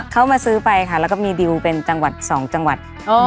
เขามาซื้อไปค่ะแล้วก็มีดิวเป็นจังหวัด๒จังหวัด